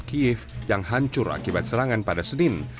kiev yang hancur akibat serangan pada senin